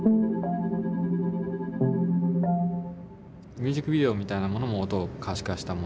ミュージックビデオみたいなものも音を可視化したもの。